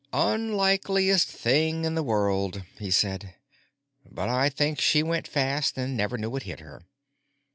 "Unlikeliest thing in the world," he said. "But I think she went fast and never knew what hit her."